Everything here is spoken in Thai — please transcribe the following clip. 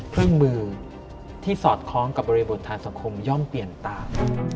เครื่องมือที่สอดคล้องกับบริบททางสังคมย่อมเปลี่ยนตาม